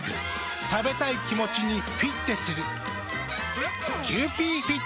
食べたい気持ちにフィッテする。